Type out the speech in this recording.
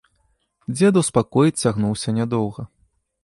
Дзедаў спакой цягнуўся нядоўга.